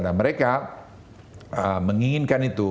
dan mereka menginginkan itu